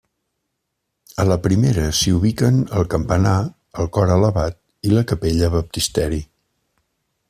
A la primera s'hi ubiquen el campanar el cor elevat i la capella baptisteri.